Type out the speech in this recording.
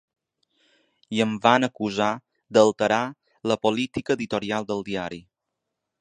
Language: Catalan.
I em van acusar d’alterar la política editorial del diari.